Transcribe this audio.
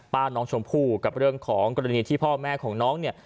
บ้านน้องชมพู่กับเรื่องของกรณีที่พ่อแม่ของน้องเนี่ย